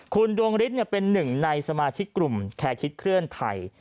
คุณดวงฤทธิ์เป็นหนึ่งในสมาชิกกลุ่มแคร์คิดเคลื่อนไทย